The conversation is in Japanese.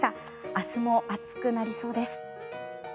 明日も暑くなりそうです。